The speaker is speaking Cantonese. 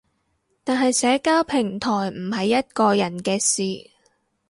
但係社交平台唔係一個人嘅事